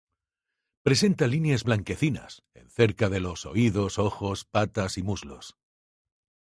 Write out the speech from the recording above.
Presenta lineas blanquecinas en cerca de los oídos, ojos, patas y muslos.